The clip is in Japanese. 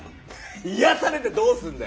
癒やされてどうすんだよ！